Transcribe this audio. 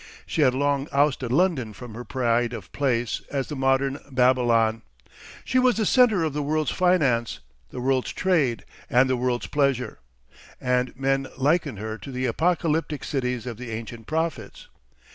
She had long ousted London from her pride of place as the modern Babylon, she was the centre of the world's finance, the world's trade, and the world's pleasure; and men likened her to the apocalyptic cities of the ancient prophets.